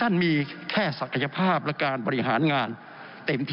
ใส่หน้ากากกันอ่ะไหม